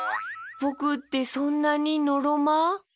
ぼくってそんなにのろま？